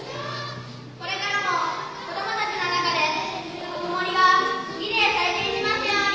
「これからも子どもたちの中でぬくもりがリレーされていきますように」。